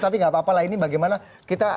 tapi gak apa apa lah ini bagaimana kita